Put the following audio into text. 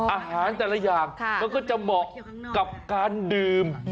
อาหารแต่ละอย่างมันก็จะเหมาะกับการดื่ม